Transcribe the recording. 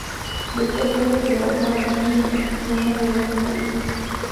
De esta forma se trabajaba el vidrio en las zonas de la Edad Media.